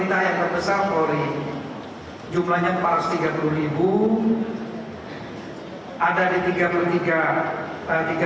dan anggota apelisi bagi kantin polsek lima